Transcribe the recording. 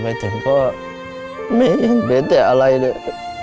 ไปถึงก็ไม่เห็นเป็นแต่อะไรเลย